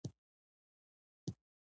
لیکوالان وهڅوئ چې ډېر ولیکي.